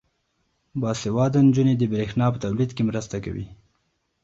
باسواده نجونې د برښنا په تولید کې مرسته کوي.